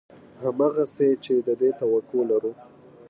همغسې چې د دې توقع لرو